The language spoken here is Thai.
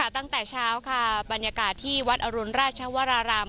ตั้งแต่เช้าค่ะบรรยากาศที่วัดอรุณราชวราราม